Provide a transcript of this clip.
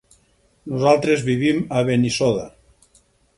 Nosaltres vivim a Benissoda.